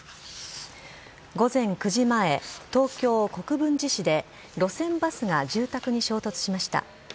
午前９時前、東京・国分寺市で路線バスが住宅に衝突しました。